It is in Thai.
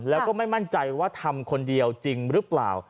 แล้วก็ไม่มั่นใจว่าทำคนเดียวจริงหรือเปล่า